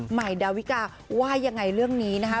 ใหม่ดาวิกาว่ายังไงเรื่องนี้นะคะ